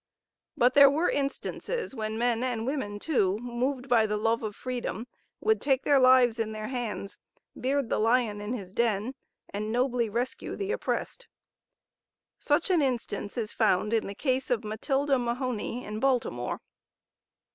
But there were instances when men and women too, moved by the love of freedom, would take their lives in their hands, beard the lion in his den, and nobly rescue the oppressed. Such an instance is found in the case of Matilda Mahoney, in Baltimore.